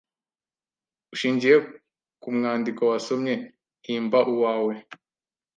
Ushingiye ku mwandiko wasomye himbauwawe